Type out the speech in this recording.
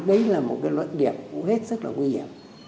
đấy là một luận điểm hết sức là nguy hiểm